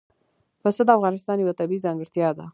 پسه د افغانستان یوه طبیعي ځانګړتیا ده.